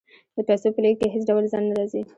د پیسو په لیږد کې هیڅ ډول ځنډ نه راځي.